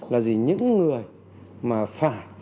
là gì những người mà phải buôn bán xăng dầu nhỏ lẻ